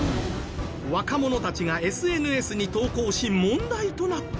若者たちがＳＮＳに投稿し問題となった。